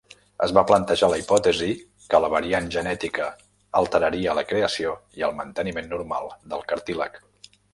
Es va plantejar la hipòtesi que la variant genètica alteraria la creació i el manteniment normal del cartílag.